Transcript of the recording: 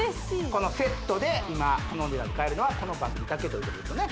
このセットで今このお値段で買えるのはこの番組だけということですよね